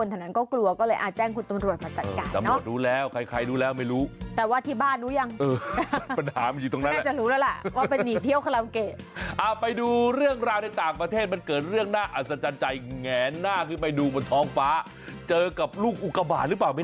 ยังก็ได้หนังพุ่งมาเลยในยามค่ำคืนถ้าเป็นสีแดงดีดีฉันกระสือเลย